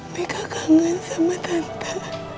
mika kangen sama tante